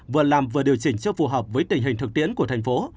vừa làm vừa điều chỉnh cho phù hợp với tình hình thực tiễn của thành phố